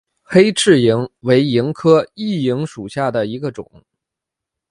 黑翅萤为萤科熠萤属下的一个种。